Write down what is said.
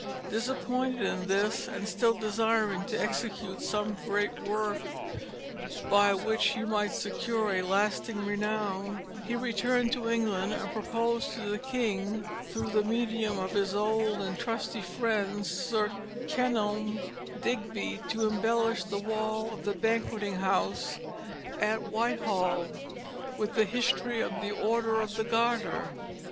Disappointed in this, and still desiring to execute some great work by which he might secure a lasting renown, he returned to England and proposed to the king, through the medium of his old and trusty friend Sir Kenelm Digby, to embellish the wall of the Banqueting House at Whitehall with the history of the Order of the Garter.